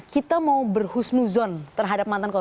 kita mau berhusnuzon terhadap mantan korban